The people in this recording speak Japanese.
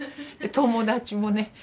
友達もね